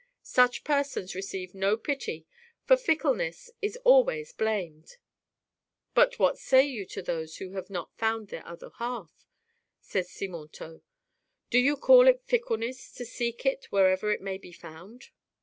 Such persons receive no pity, for fickleness is always blamed." " But what say you to those who have not found their other half?" asked Simontault. "Do you call it fickleness to seek it wherever it may be found?"